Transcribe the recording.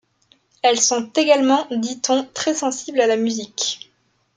Elles sont également, dit-on, très sensibles à la musique.